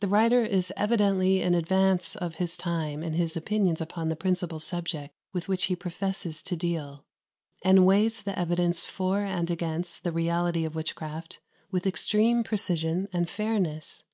The writer is evidently in advance of his time in his opinions upon the principal subject with which he professes to deal, and weighs the evidence for and against the reality of witchcraft with extreme precision and fairness.